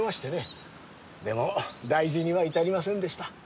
でも大事には至りませんでした。